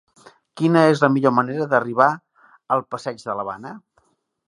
Quina és la millor manera d'arribar al passeig de l'Havana?